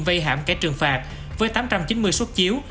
vây hãm kẻ trừng phạt với tám trăm chín mươi xuất chiếu